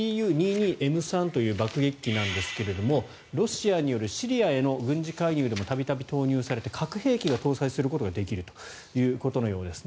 このＴｕ２２Ｍ３という爆撃機なんですがロシアによるシリアへの軍事介入でも度々投入されて核兵器を搭載することができるようです。